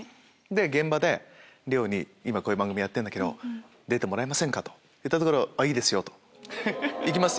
で現場で亮に今こういう番組やってるんだけど出てもらえませんか？と言ったところ「いいですよ」と。「行きます」